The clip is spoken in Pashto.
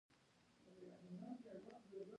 د زده کړې له لارې د ټولنې د پرمختګ بنسټ ایښودل کيږي.